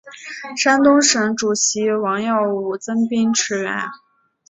山东省主席王耀武增兵驰援。